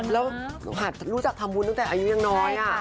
แล้วรู้จักทำบุญตั้งแต่อายุยังน้อย